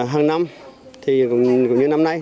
hàng năm cũng như năm nay